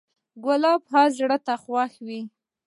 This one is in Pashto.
ګلاب هر زړه ته خوښ وي.